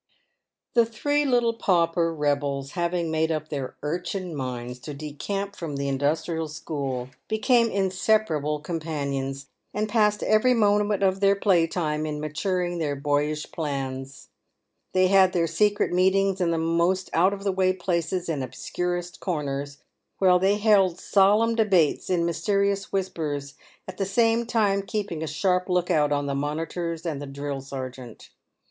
The three little pauper rebels having made up their urchin minds to decamp from the Industrial School, became inseparable companions, and passed every moment of their play time in maturing their boyish plans. They had their secret meetings in the most out of the way places and obscurest corners, where they held solemn debates in mys terious whispers, at the same time keeping a sharp look out on the monitors and the drill sergeant.